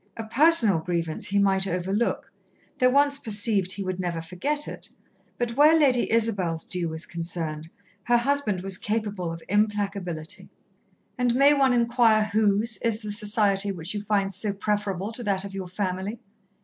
A personal grievance he might overlook, though once perceived he would never forget it, but where Lady Isabel's due was concerned, her husband was capable of implacability. "And may one inquire whose is the society which you find so preferable to that of your family?"